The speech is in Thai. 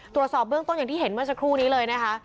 ตรวจสอบเบื้องต้นอย่างที่เห็นเมื่อสักครู่นี้เลยนะคะ